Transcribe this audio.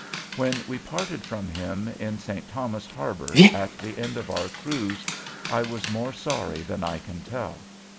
When we parted from him in St. Thomas harbor, at the end of our cruise, I was more sorry than I can tell.